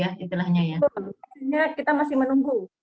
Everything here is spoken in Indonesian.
iya kita masih menunggu